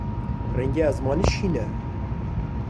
Rengê ezmanî şîn e.